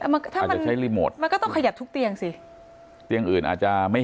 มันถ้ามันใช้รีโมทมันก็ต้องขยับทุกเตียงสิเตียงอื่นอาจจะไม่